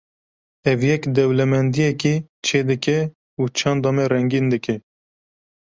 Ev yek dewlemendiyekê çêdike û çanda me rengîn dike.